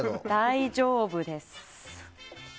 大丈夫です。